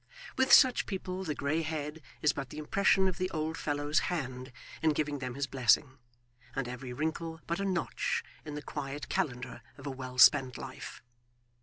With such people the grey head is but the impression of the old fellow's hand in giving them his blessing, and every wrinkle but a notch in the quiet calendar of a well spent life.